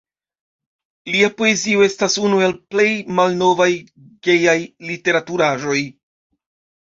Lia poezio estas unu el plej malnovaj gejaj literaturaĵoj.